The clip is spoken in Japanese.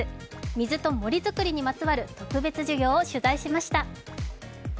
水と森作りにまつわる特別授業を取材しました。